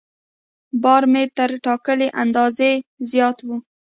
بار مې تر ټاکلي اندازې زیات و.